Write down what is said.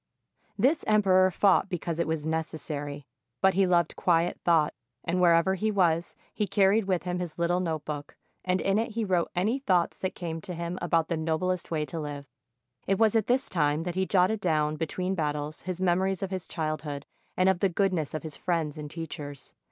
This emperor fought because it was necessary, but he loved quiet thought, and wherever he was, he carried S13 ROME with him a little notebook, and in it he wrote any thoughts that came to him about the noblest way to live. It was at this time that he Jotted down between battles his memories of his childhood and of the good ness of his friends and teachers.